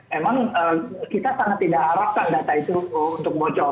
memang kita sangat tidak harapkan data itu untuk bocor